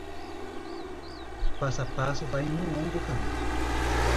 Passo a passo vai um longo caminho.